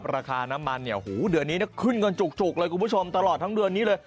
ราคาน้ำมันเนี่ยหูเดือนนี้ขึ้นเงินจุกเลยคุณผู้ชมตลอดทั้งเดือนนี้เลย